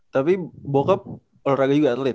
tapi bokap olahraga juga atlet